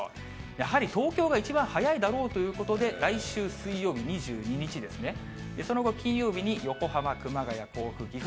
やはり東京が一番早いだろうということで、来週水曜日２２日ですね、その後、金曜日に横浜、熊谷、甲府、岐阜。